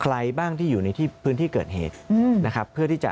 ใครบ้างที่อยู่ในที่พื้นที่เกิดเหตุนะครับเพื่อที่จะ